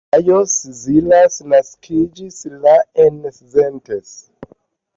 Lajos Szilassi naskiĝis la en Szentes.